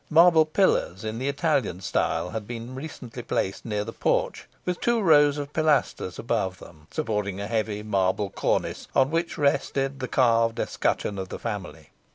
Marble pillars, in the Italian style, had been recently placed near the porch, with two rows of pilasters above them, supporting a heavy marble cornice, on which rested the carved escutcheon of the family.